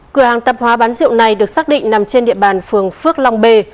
cửa hàng tạp hóa bán rượu này được xác định nằm trên địa bàn phường phước long b